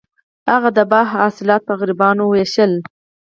هغه د باغ حاصلات په غریبانو ویشل.